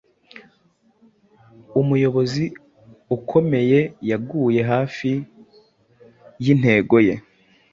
Umuyobozi ukomeyeyaguye hafi yintego ye